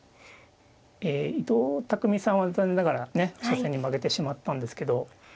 え伊藤匠さんは残念ながらね初戦に負けてしまったんですけど。